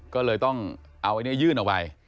ก็เลยต้องเอายื่นเอาไป